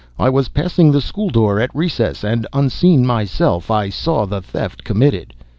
I was passing the school door at recess, and, unseen myself, I saw the theft committed!"